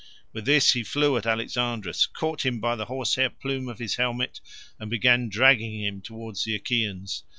With this he flew at Alexandrus, caught him by the horse hair plume of his helmet, and began dragging him towards the Achaeans.